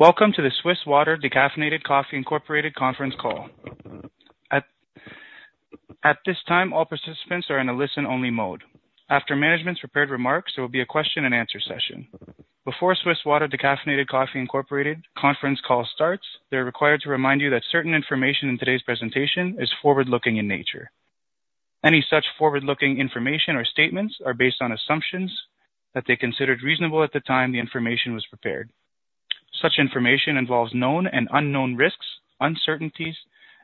Welcome to the Swiss Water Decaffeinated Coffee Incorporated conference call. At this time, all participants are in a listen-only mode. After management's prepared remarks, there will be a question and answer session. Before Swiss Water Decaffeinated Coffee Incorporated conference call starts, they're required to remind you that certain information in today's presentation is forward-looking in nature. Any such forward-looking information or statements are based on assumptions that they considered reasonable at the time the information was prepared. Such information involves known and unknown risks, uncertainties,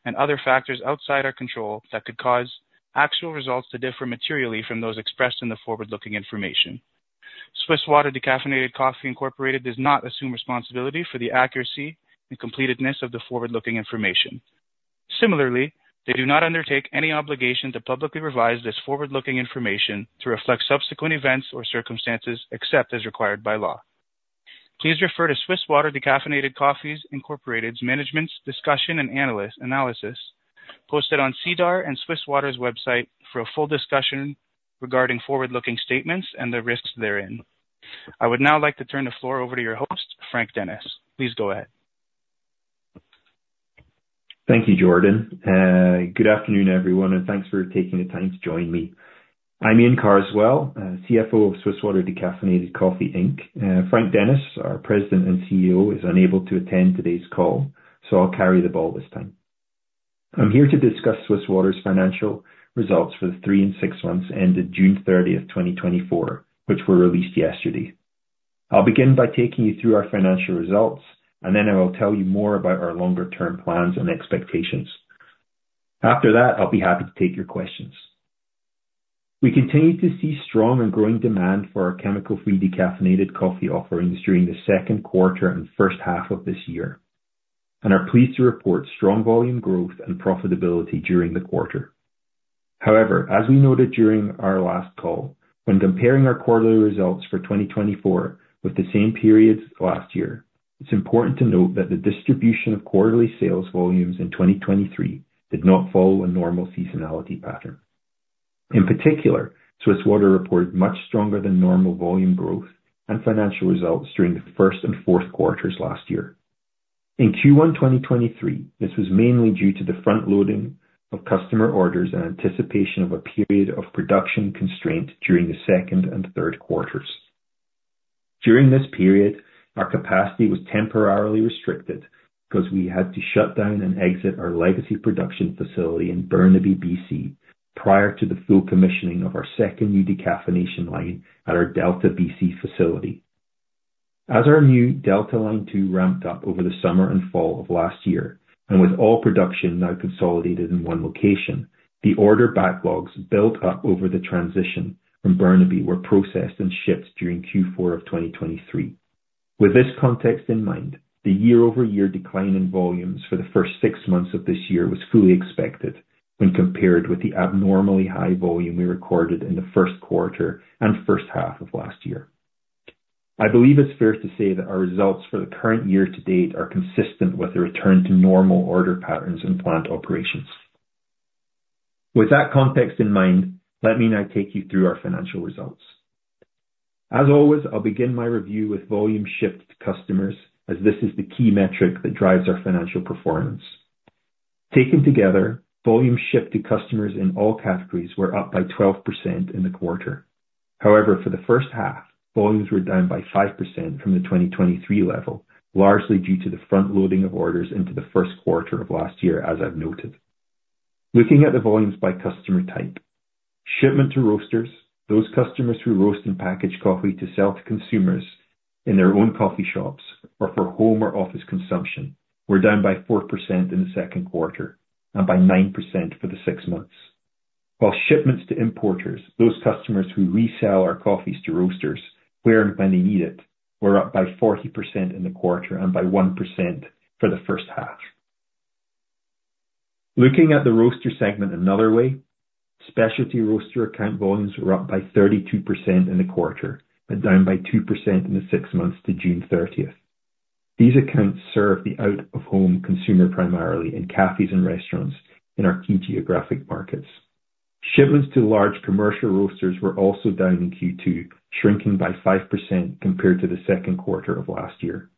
and other factors outside our control that could cause actual results to differ materially from those expressed in the forward-looking information. Swiss Water Decaffeinated Coffee Incorporated does not assume responsibility for the accuracy and completeness of the forward-looking information. Similarly, they do not undertake any obligation to publicly revise this forward-looking information to reflect subsequent events or circumstances except as required by law. Please refer to Swiss Water Decaffeinated Coffee Inc.'s management's discussion and analysis, posted on SEDAR and Swiss Water's website for a full discussion regarding forward-looking statements and the risks therein. I would now like to turn the floor over to your host, Frank Dennis. Please go ahead. Thank you, Jordan, good afternoon, everyone, and thanks for taking the time to join me. I'm Iain Carswell, CFO of Swiss Water Decaffeinated Coffee Inc. Frank Dennis, our President and CEO, is unable to attend today's call, so I'll carry the ball this time. I'm here to discuss Swiss Water's financial results for the three and six months ended June 30th, 2024, which were released yesterday. I'll begin by taking you through our financial results, and then I will tell you more about our longer-term plans and expectations. After that, I'll be happy to take your questions. We continue to see strong and growing demand for our chemical-free decaffeinated coffee offerings during the second quarter and first half of this year, and are pleased to report strong volume growth and profitability during the quarter. However, as we noted during our last call, when comparing our quarterly results for 2024 with the same periods last year, it's important to note that the distribution of quarterly sales volumes in 2023 did not follow a normal seasonality pattern. In particular, Swiss Water reported much stronger than normal volume growth and financial results during the first and fourth quarters last year. In Q1, 2023, this was mainly due to the front-loading of customer orders in anticipation of a period of production constraint during the second and third quarters. During this period, our capacity was temporarily restricted because we had to shut down and exit our legacy production facility in Burnaby, BC, prior to the full commissioning of our second new decaffeination line at our Delta, BC facility. As our new Delta Line 2 ramped up over the summer and fall of last year, and with all production now consolidated in one location, the order backlogs built up over the transition from Burnaby were processed and shipped during Q4 of 2023. With this context in mind, the year-over-year decline in volumes for the first six months of this year was fully expected when compared with the abnormally high volume we recorded in the first quarter and first half of last year. I believe it's fair to say that our results for the current year to date are consistent with a return to normal order patterns and plant operations. With that context in mind, let me now take you through our financial results. As always, I'll begin my review with volume shipped to customers, as this is the key metric that drives our financial performance. Taken together, volumes shipped to customers in all categories were up by 12% in the quarter. However, for the first half, volumes were down by 5% from the 2023 level, largely due to the front loading of orders into the first quarter of last year, as I've noted. Looking at the volumes by customer type, shipment to roasters, those customers who roast and package coffee to sell to consumers in their own coffee shops or for home or office consumption, were down by 4% in the second quarter and by 9% for the six months. While shipments to importers, those customers who resell our coffees to roasters, where and when they need it, were up by 40% in the quarter and by 1% for the first half. Looking at the roaster segment another way, specialty roaster account volumes were up by 32% in the quarter and down by 2% in the six months to June 30. These accounts serve the out-of-home consumer, primarily in cafes and restaurants in our key geographic markets. Shipments to large commercial roasters were also down in Q2, shrinking by 5% compared to the second quarter of last year.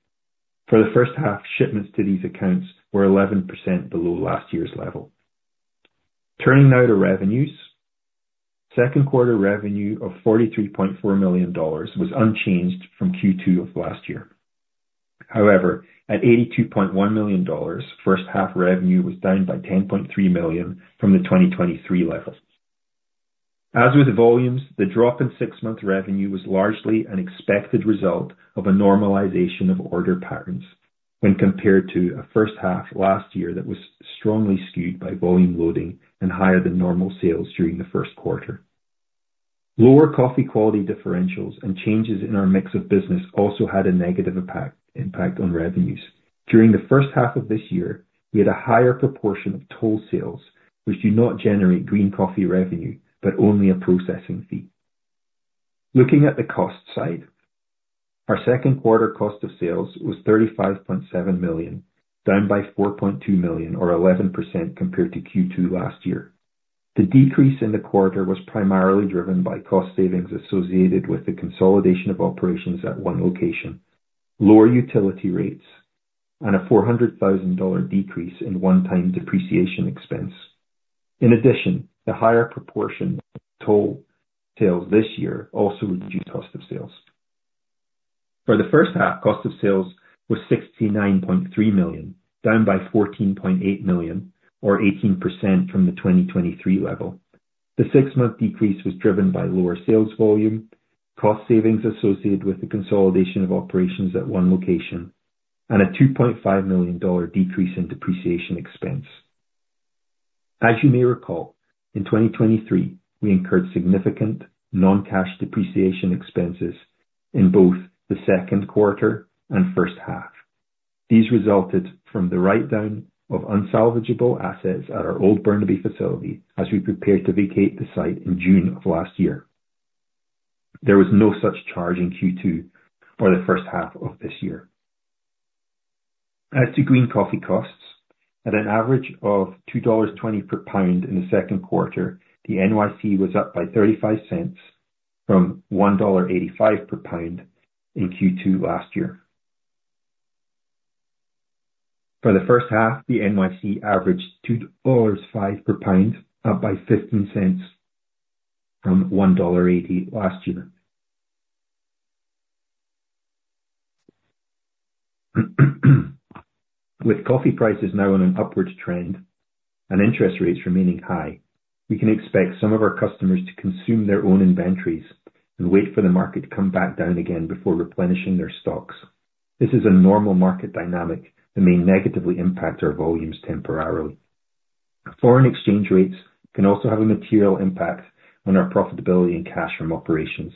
For the first half, shipments to these accounts were 11% below last year's level. Turning now to revenues. Second quarter revenue of 43.4 million dollars was unchanged from Q2 of last year. However, at 82.1 million dollars, first half revenue was down by 10.3 million from the 2023 level. As with volumes, the drop in six-month revenue was largely an expected result of a normalization of order patterns when compared to a first half last year that was strongly skewed by volume loading and higher than normal sales during the first quarter. Lower coffee quality differentials and changes in our mix of business also had a negative impact on revenues. During the first half of this year, we had a higher proportion of toll sales, which do not generate green coffee revenue, but only a processing fee. Looking at the cost side, our second quarter cost of sales was 35.7 million, down by 4.2 million or 11% compared to Q2 last year. The decrease in the quarter was primarily driven by cost savings associated with the consolidation of operations at one location, lower utility rates, and a 400 thousand dollar decrease in one-time depreciation expense. In addition, the higher proportion of toll sales this year also reduced cost of sales. For the first half, cost of sales was 69.3 million, down by 14.8 million, or 18% from the 2023 level. The six-month decrease was driven by lower sales volume, cost savings associated with the consolidation of operations at one location, and a 2.5 million dollar decrease in depreciation expense. As you may recall, in 2023, we incurred significant non-cash depreciation expenses in both the second quarter and first half. These resulted from the write-down of unsalvageable assets at our old Burnaby facility as we prepared to vacate the site in June of last year. There was no such charge in Q2 for the first half of this year. As to green coffee costs, at an average of $2.20 per pound in the second quarter, the NYC was up by $0.35 from $1.85 per pound in Q2 last year. For the first half, the NYC averaged $2.05 per pound, up by $0.15 from $1.80 last year. With coffee prices now on an upward trend and interest rates remaining high, we can expect some of our customers to consume their own inventories and wait for the market to come back down again before replenishing their stocks. This is a normal market dynamic that may negatively impact our volumes temporarily. Foreign exchange rates can also have a material impact on our profitability and cash from operations.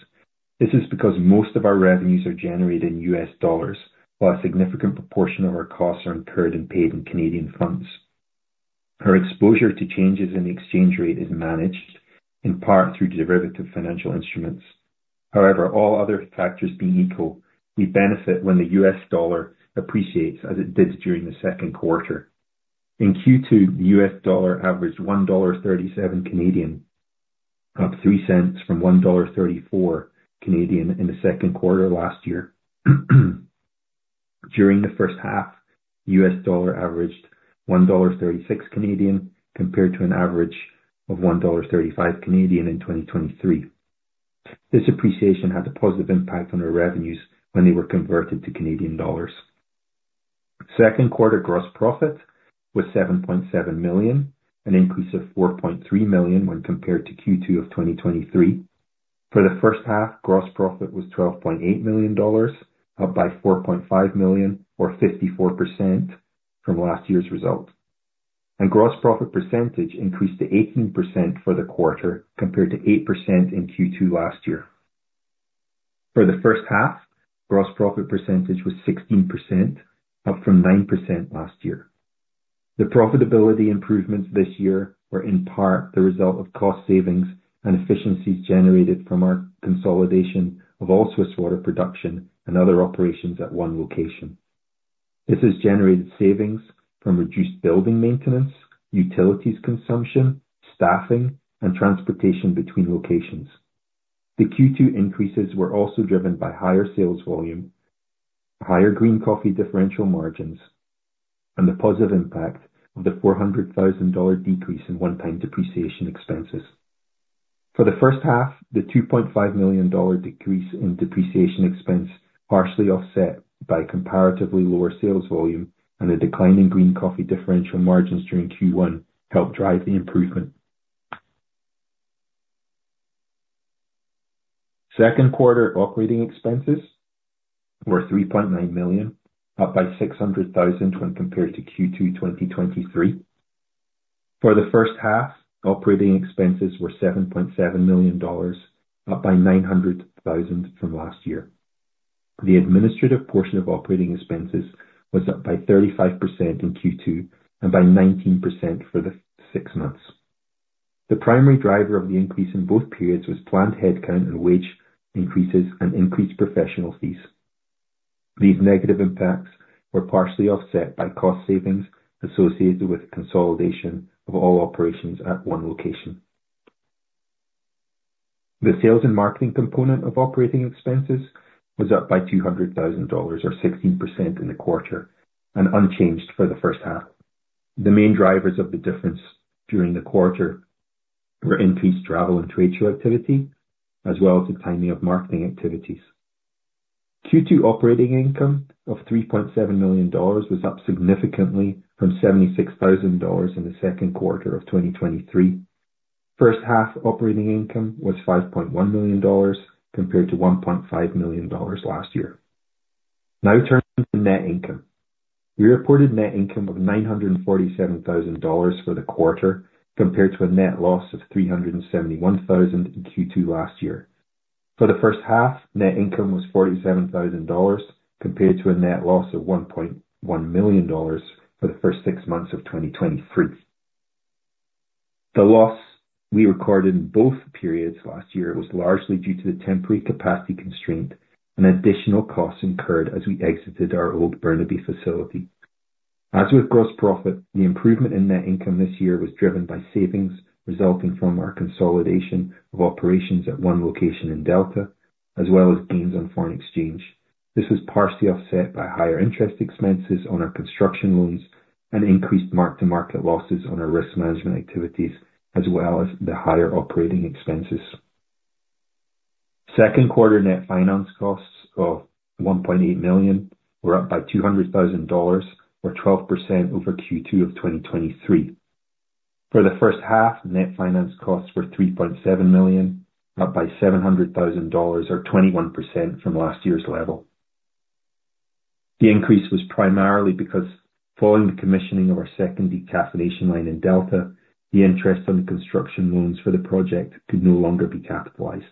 This is because most of our revenues are generated in U.S. dollars, while a significant proportion of our costs are incurred and paid in Canadian funds. Our exposure to changes in the exchange rate is managed, in part through derivative financial instruments. However, all other factors being equal, we benefit when the U.S. dollar appreciates, as it did during the second quarter. In Q2, the US dollar averaged 1.37 Canadian, up 3 cents from 1.34 Canadian in the second quarter last year. During the first half, US dollar averaged 1.36 Canadian, compared to an average of 1.35 Canadian in 2023. This appreciation had a positive impact on our revenues when they were converted to Canadian dollars. Second quarter gross profit was 7.7 million, an increase of 4.3 million when compared to Q2 of 2023. For the first half, gross profit was 12.8 million dollars, up by 4.5 million, or 54% from last year's result. Gross profit percentage increased to 18% for the quarter, compared to 8% in Q2 last year. For the first half, gross profit percentage was 16%, up from 9% last year. The profitability improvements this year were in part the result of cost savings and efficiencies generated from our consolidation of all Swiss Water production and other operations at one location. This has generated savings from reduced building maintenance, utilities consumption, staffing, and transportation between locations. The Q2 increases were also driven by higher sales volume, higher green coffee differential margins, and the positive impact of the 400,000 dollar decrease in one-time depreciation expenses. For the first half, the 2.5 million dollar decrease in depreciation expense, partially offset by comparatively lower sales volume and a decline in green coffee differential margins during Q1, helped drive the improvement. Second quarter operating expenses were 3.9 million, up by 600,000 when compared to Q2 2023. For the first half, operating expenses were 7.7 million dollars, up by 900,000 from last year. The administrative portion of operating expenses was up by 35% in Q2 and by 19% for the six months. The primary driver of the increase in both periods was planned headcount and wage increases and increased professional fees. These negative impacts were partially offset by cost savings associated with consolidation of all operations at one location. The sales and marketing component of operating expenses was up by 200,000 dollars, or 16% in the quarter, and unchanged for the first half. The main drivers of the difference during the quarter were increased travel and trade show activity, as well as the timing of marketing activities. Q2 operating income of 3.7 million dollars was up significantly from 76,000 dollars in the second quarter of 2023. First half operating income was 5.1 million dollars, compared to 1.5 million dollars last year. Now turning to net income. We reported net income of 947,000 dollars for the quarter, compared to a net loss of 371,000 in Q2 last year. For the first half, net income was 47,000 dollars, compared to a net loss of 1.1 million dollars for the first six months of 2023. The loss we recorded in both periods last year was largely due to the temporary capacity constraint and additional costs incurred as we exited our old Burnaby facility. As with gross profit, the improvement in net income this year was driven by savings resulting from our consolidation of operations at one location in Delta, as well as gains on foreign exchange. This was partially offset by higher interest expenses on our construction loans and increased mark-to-market losses on our risk management activities, as well as the higher operating expenses. Second quarter net finance costs of 1.8 million were up by 200,000 dollars or 12% over Q2 of 2023. For the first half, net finance costs were CAD 3.7 million, up by CAD 700,000 or 21% from last year's level. The increase was primarily because following the commissioning of our second decaffeination line in Delta, the interest on the construction loans for the project could no longer be capitalized.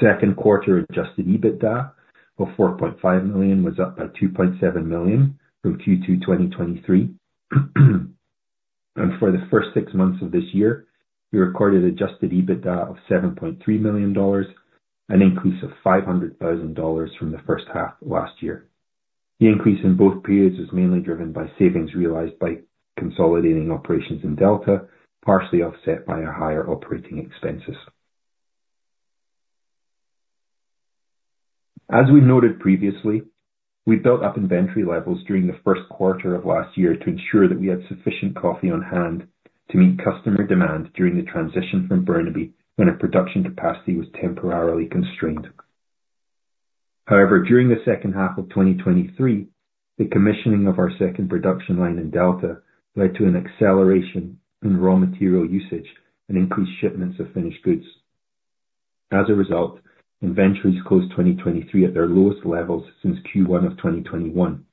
Second quarter Adjusted EBITDA of 4.5 million was up by 2.7 million from Q2 2023. For the first six months of this year, we recorded Adjusted EBITDA of 7.3 million dollars, an increase of 500,000 dollars from the first half of last year. The increase in both periods was mainly driven by savings realized by consolidating operations in Delta, partially offset by our higher operating expenses. As we noted previously, we built up inventory levels during the first quarter of last year to ensure that we had sufficient coffee on hand to meet customer demand during the transition from Burnaby, when our production capacity was temporarily constrained. However, during the second half of 2023, the commissioning of our second production line in Delta led to an acceleration in raw material usage and increased shipments of finished goods. As a result, inventories closed 2023 at their lowest levels since Q1 of 2021.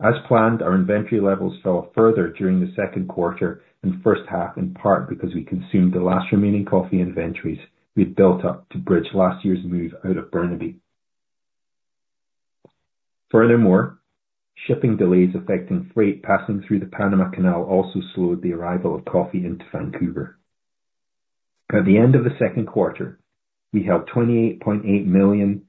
As planned, our inventory levels fell further during the second quarter and first half, in part because we consumed the last remaining coffee inventories we had built up to bridge last year's move out of Burnaby, BC. Furthermore, shipping delays affecting freight passing through the Panama Canal also slowed the arrival of coffee into Vancouver. By the end of the second quarter, we held 28.8 million dollars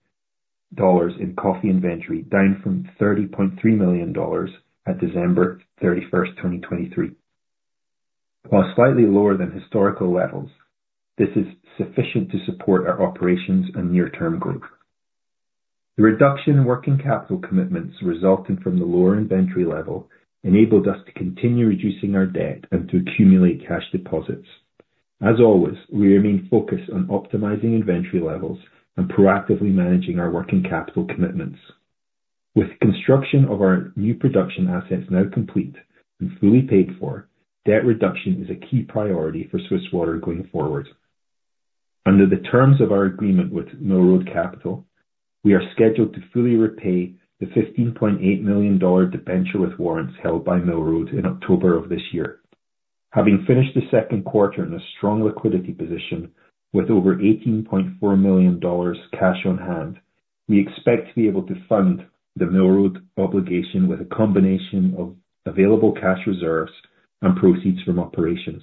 in coffee inventory, down from 30.3 million dollars at December 31, 2023. While slightly lower than historical levels, this is sufficient to support our operations and near-term growth. The reduction in working capital commitments resulting from the lower inventory level enabled us to continue reducing our debt and to accumulate cash deposits. As always, we remain focused on optimizing inventory levels and proactively managing our working capital commitments. With construction of our new production assets now complete and fully paid for, debt reduction is a key priority for Swiss Water going forward. Under the terms of our agreement with Mill Road Capital, we are scheduled to fully repay the 15.8 million dollar debenture with warrants held by Mill Road in October of this year. Having finished the second quarter in a strong liquidity position with over 18.4 million dollars cash on hand, we expect to be able to fund the Mill Road obligation with a combination of available cash reserves and proceeds from operations.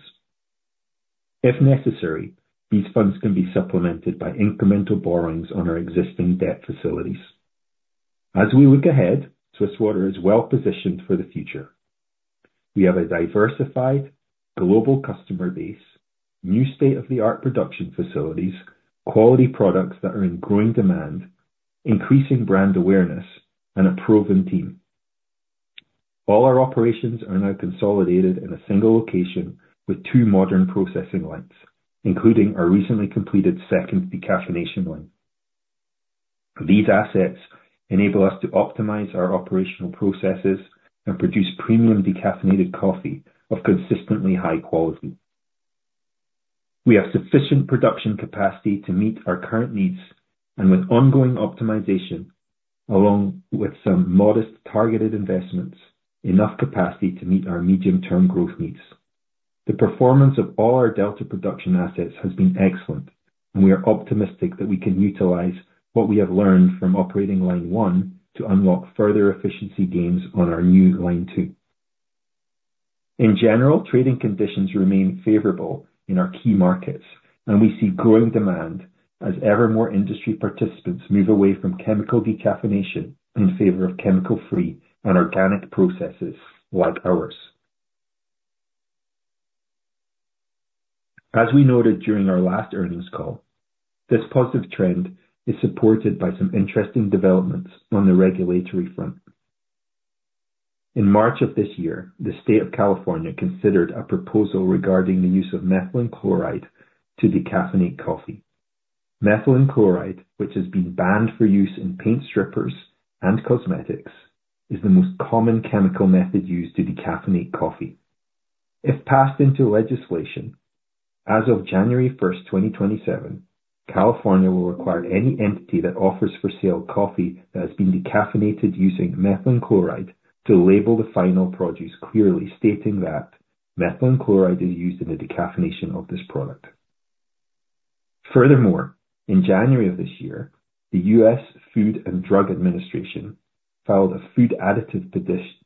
If necessary, these funds can be supplemented by incremental borrowings on our existing debt facilities. As we look ahead, Swiss Water is well positioned for the future. We have a diversified global customer base, new state-of-the-art production facilities, quality products that are in growing demand, increasing brand awareness, and a proven team. All our operations are now consolidated in a single location with two modern processing lines, including our recently completed second decaffeination line. These assets enable us to optimize our operational processes and produce premium decaffeinated coffee of consistently high quality. We have sufficient production capacity to meet our current needs, and with ongoing optimization, along with some modest targeted investments, enough capacity to meet our medium-term growth needs. The performance of all our Delta production assets has been excellent, and we are optimistic that we can utilize what we have learned from operating line one to unlock further efficiency gains on our new line two. In general, trading conditions remain favorable in our key markets, and we see growing demand as ever more industry participants move away from chemical decaffeination in favor of chemical-free and organic processes like ours. As we noted during our last earnings call, this positive trend is supported by some interesting developments on the regulatory front. In March of this year, the state of California considered a proposal regarding the use of methylene chloride to decaffeinate coffee. Methylene chloride, which has been banned for use in paint strippers and cosmetics, is the most common chemical method used to decaffeinate coffee. If passed into legislation, as of January 1, 2027, California will require any entity that offers for sale coffee that has been decaffeinated using methylene chloride to label the final product, clearly stating that methylene chloride is used in the decaffeination of this product. Furthermore, in January of this year, the US Food and Drug Administration filed a food additive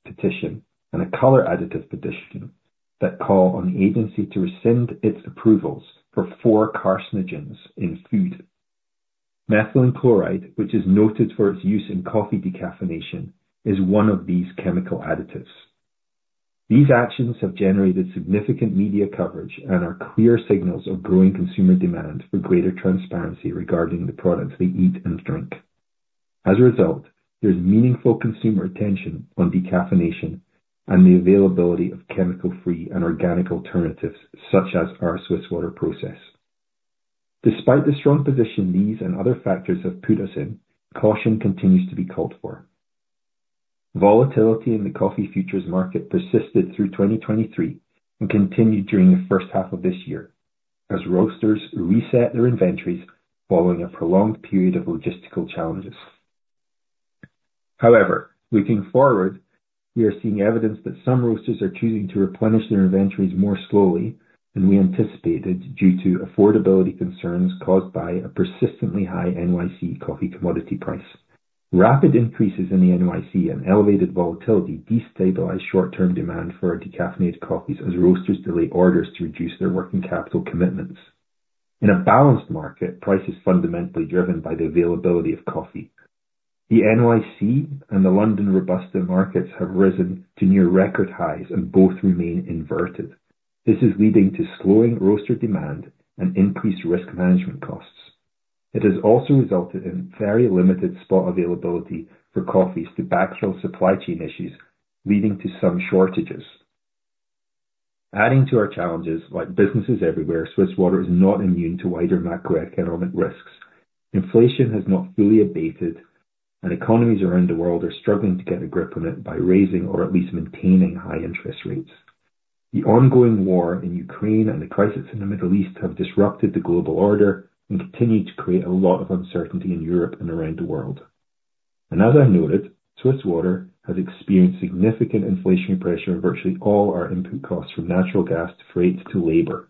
petition and a color additive petition that call on the agency to rescind its approvals for four carcinogens in food.... methylene chloride, which is noted for its use in coffee decaffeination, is one of these chemical additives. These actions have generated significant media coverage and are clear signals of growing consumer demand for greater transparency regarding the products they eat and drink. As a result, there's meaningful consumer attention on decaffeination and the availability of chemical-free and organic alternatives, such as our Swiss Water Process. Despite the strong position these and other factors have put us in, caution continues to be called for. Volatility in the coffee futures market persisted through 2023 and continued during the first half of this year, as roasters reset their inventories following a prolonged period of logistical challenges. However, looking forward, we are seeing evidence that some roasters are choosing to replenish their inventories more slowly than we anticipated, due to affordability concerns caused by a persistently high NYC coffee commodity price. Rapid increases in the NYC and elevated volatility destabilize short-term demand for decaffeinated coffees, as roasters delay orders to reduce their working capital commitments. In a balanced market, price is fundamentally driven by the availability of coffee. The NYC and the London Robusta markets have risen to near record highs and both remain inverted. This is leading to slowing roaster demand and increased risk management costs. It has also resulted in very limited spot availability for coffees due to backfill supply chain issues, leading to some shortages. Adding to our challenges, like businesses everywhere, Swiss Water is not immune to wider macroeconomic risks. Inflation has not fully abated, and economies around the world are struggling to get a grip on it by raising or at least maintaining high interest rates. The ongoing war in Ukraine and the crisis in the Middle East have disrupted the global order and continued to create a lot of uncertainty in Europe and around the world. And as I noted, Swiss Water has experienced significant inflationary pressure in virtually all our input costs, from natural gas, to freight, to labor.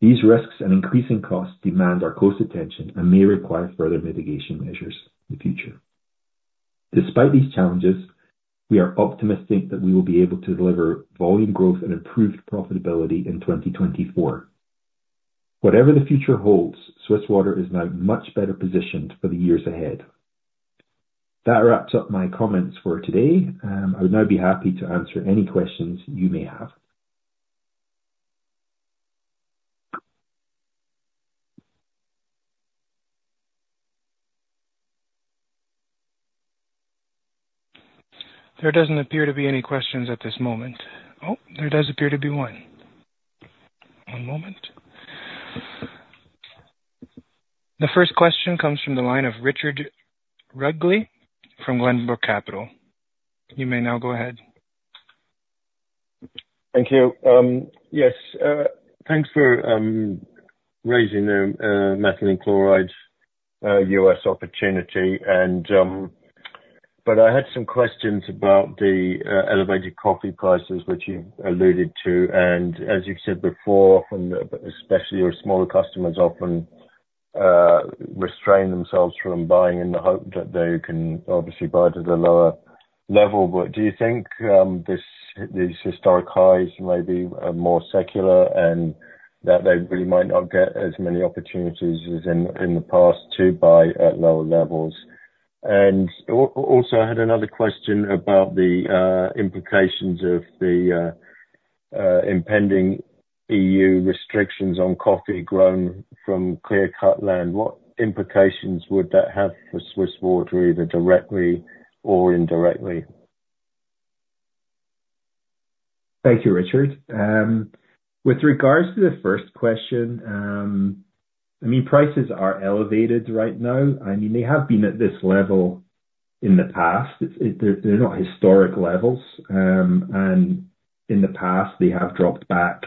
These risks and increasing costs demand our close attention and may require further mitigation measures in the future. Despite these challenges, we are optimistic that we will be able to deliver volume growth and improved profitability in 2024. Whatever the future holds, Swiss Water is now much better positioned for the years ahead. That wraps up my comments for today. I would now be happy to answer any questions you may have. There doesn't appear to be any questions at this moment. Oh, there does appear to be one. One moment. The first question comes from the line of Richard Rudgley from Glenbrook Capital. You may now go ahead. Thank you. Yes, thanks for raising methylene chloride's U.S. opportunity and... But I had some questions about the elevated coffee prices, which you alluded to, and as you've said before, often, especially your smaller customers, often restrain themselves from buying in the hope that they can obviously buy to the lower level. But do you think these historic highs are more secular and that they really might not get as many opportunities as in the past to buy at lower levels? And also, I had another question about the implications of the impending EU restrictions on coffee grown from clear-cut land. What implications would that have for Swiss Water, either directly or indirectly? Thank you, Richard. With regards to the first question, I mean, prices are elevated right now. I mean, they have been at this level in the past. They're not historic levels, and in the past, they have dropped back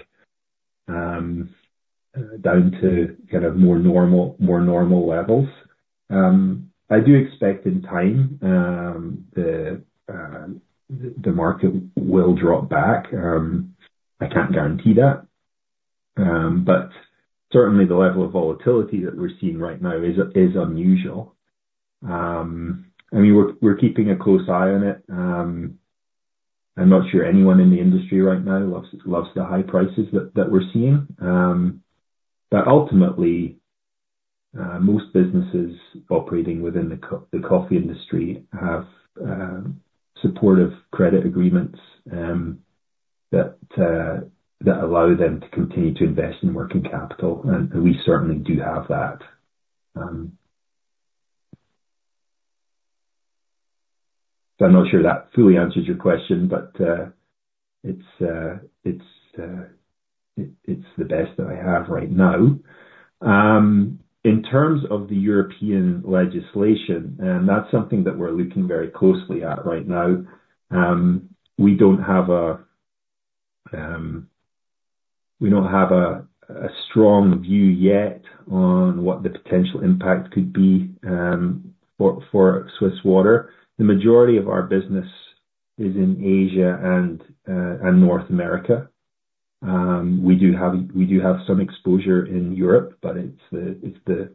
down to kind of more normal levels. I do expect in time the market will drop back. I can't guarantee that, but certainly the level of volatility that we're seeing right now is unusual. I mean, we're keeping a close eye on it. I'm not sure anyone in the industry right now loves the high prices that we're seeing. But ultimately, most businesses operating within the coffee industry have supportive credit agreements that allow them to continue to invest in working capital, and we certainly do have that. So I'm not sure that fully answers your question, but it's the best that I have right now. In terms of the European legislation, and that's something that we're looking very closely at right now, we don't have a strong view yet on what the potential impact could be for Swiss Water. The majority of our business is in Asia and North America. We do have some exposure in Europe, but it's the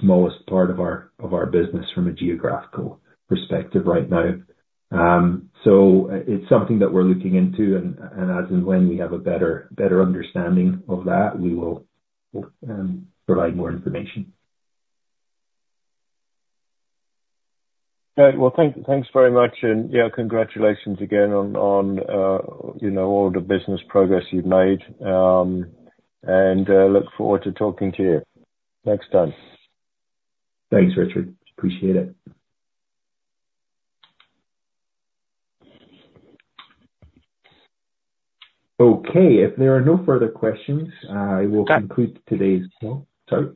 smallest part of our business from a geographical perspective right now. So it's something that we're looking into, and as and when we have a better understanding of that, we will provide more information. Well, thanks very much. Yeah, congratulations again on you know, all the business progress you've made. Look forward to talking to you next time. Thanks, Richard. Appreciate it. Okay, if there are no further questions, I will conclude today's call. Sorry?